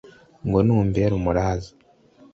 ngo numbera umuraza